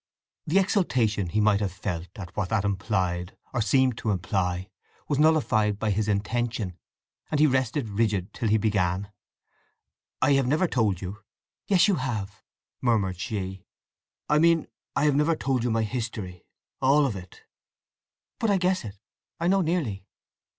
The exultation he might have felt at what that implied, or seemed to imply, was nullified by his intention, and he rested rigid till he began: "I have never told you—" "Yes you have," murmured she. "I mean, I have never told you my history—all of it." "But I guess it. I know nearly."